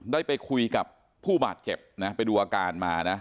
ได้ไปคุยกับผู้บาดเจ็บนะไปดูอาการมานะ